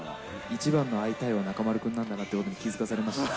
一番の会いたい！は中丸君なんだなということを気付かされました。